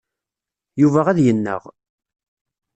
Yuba ad yennaɣ.